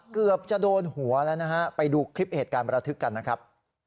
เกือบจะโดนหัวแล้วนะฮะไปดูคลิปเหตุการณ์ประทึกกันนะครับ